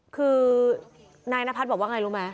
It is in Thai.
คือนายนพัฒน์บอกว่าไงรู้ไหม